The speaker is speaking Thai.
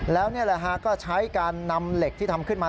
แล้วนี่แหละฮะก็ใช้การนำเหล็กที่ทำขึ้นมา